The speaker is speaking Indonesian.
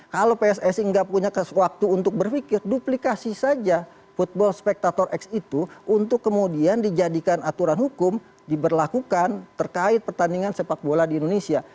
kalau pssi nggak punya waktu untuk berpikir duplikasi saja football spectator x itu untuk kemudian dijadikan aturan hukum diberlakukan terkait pertandingan sepak bola di indonesia